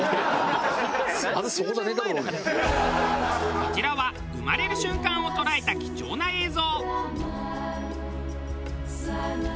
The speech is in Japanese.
こちらは生まれる瞬間を捉えた貴重な映像。